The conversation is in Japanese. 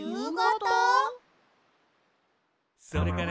「それから」